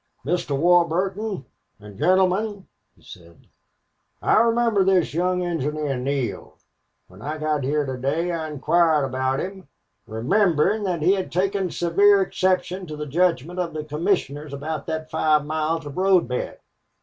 "Mr. Warburton and gentlemen," he said, "I remember this young engineer Neale. When I got here to day I inquired about him, remembering that he had taken severe exception to the judgment of the commissioners about that five miles of road bed.